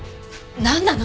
なんなの？